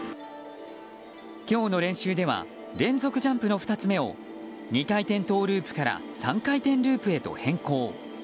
今日の練習では連続ジャンプの２つ目を２回転トウループから３回転ループへと変更。